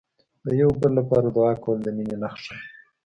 د یو بل لپاره دعا کول، د مینې نښه ده.